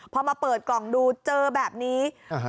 พอมาเปิดกล่องดูเจอแบบนี้